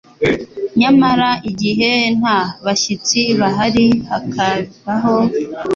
Nyamara igihe nta bashyitsi bahari hakabaho